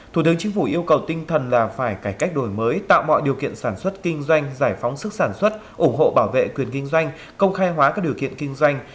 thủ tướng chính phủ yêu cầu tinh thần là phải cải cách đổi mới tạo mọi điều kiện sản xuất kinh doanh giải phóng sức sản xuất ủng hộ bảo vệ quyền kinh doanh công khai hóa các điều kiện kinh doanh